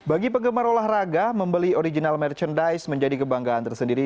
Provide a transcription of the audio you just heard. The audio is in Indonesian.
bagi penggemar olahraga membeli original merchandise menjadi kebanggaan tersendiri